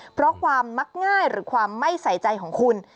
เพราะความมักง่ายหรือความไม่ใส่ใจของคุณ